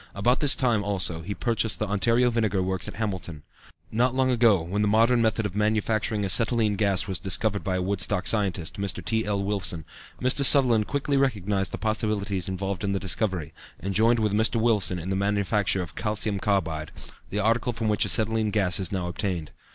About this time, also, he purchased the Ontario Vinegar Works at Hamilton. Not long ago, when the modern method of manufacturing acetylene gas was discovered by a Woodstock scientist, Mr. T. L. Willson, Mr. Sutherland quickly recognized the possibilities involved in the discovery, and joined with Mr. Willson in the manufacture of calcium carbide, the article from which acetylene gas is now obtained.